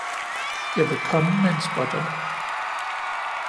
Jeg vil komme med en spådom.